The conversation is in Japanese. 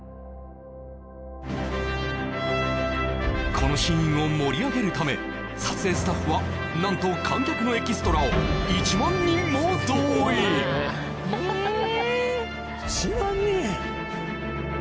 このシーンを盛り上げるため撮影スタッフは何と観客のエキストラを１万人も動員えっ１万人！？